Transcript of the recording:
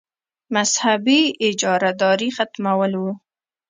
مذهبي اجاراداري ختمول وو.